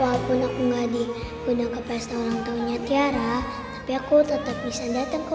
walaupun aku enggak di undang undang pesta ulang tahunnya tiara tapi aku tetap bisa datang ke